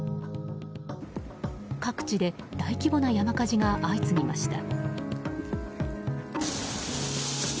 各地で大規模な山火事が相次ぎました。